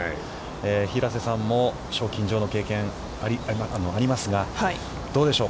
平瀬さんも、賞金女王の経験、ありますが、どうでしょう。